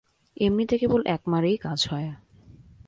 এমনিতে কেবল এক মারেই কাজ হয়।